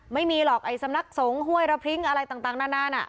ไม่มีหรอกไอ้สำนักสงฆ์ห้วยระพริ้งอะไรต่างนาน